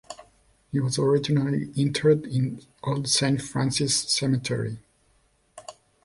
He was originally interred in Old Saint Francis Cemetery.